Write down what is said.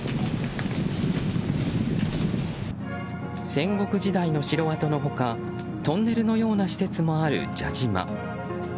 戦国時代の城跡の他トンネルのような施設もある蛇島。